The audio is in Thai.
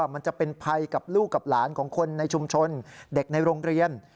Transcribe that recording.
มันจะเป็นภัยกับลูกกับหลานของคนในชุมชนเด็กในโรงเรียน